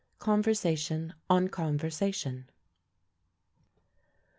CONVERSATION ON CONVERSATION.